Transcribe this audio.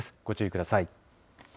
ご注意ください。